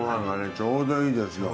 ちょうどいいですよ。